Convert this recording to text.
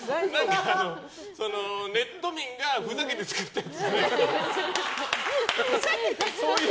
ネット民がふざけて作ったやつじゃない。